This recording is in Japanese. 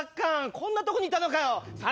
こんな所にいたのかよ。